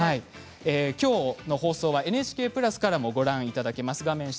きょうの放送はＮＨＫプラスからでもご覧いただけます。